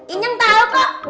ini yang tau kok